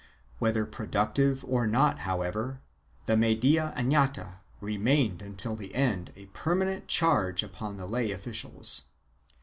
Whether productive or not, however, the media afiata remained until the end a permanent charge upon the lay officials.